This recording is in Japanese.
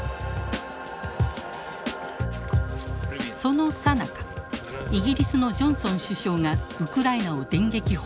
そのさなかイギリスのジョンソン首相がウクライナを電撃訪問。